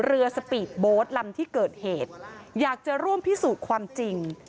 สปีดโบสต์ลำที่เกิดเหตุอยากจะร่วมพิสูจน์ความจริง